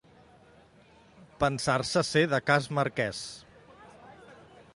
Pensar-se ser de Cas Marquès.